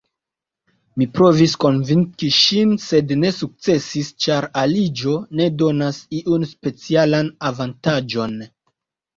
Mi provis konvinki ŝin, sed ne sukcesis, ĉar aliĝo ne donas iun specialan avantaĝon.